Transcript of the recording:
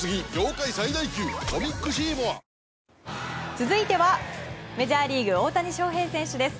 続いては、メジャーリーグ大谷翔平選手です。